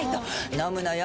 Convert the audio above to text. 飲むのよ